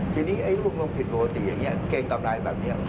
ทีนี้ไอ้รูปลงผิดปกติอย่างนี้เกรงกำไรแบบนี้